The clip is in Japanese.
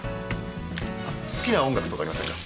好きな音楽とかありませんか？